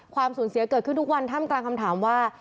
สูญเสียเกิดขึ้นทุกวันท่ามกลางคำถามว่า